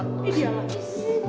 ini dia lagi sih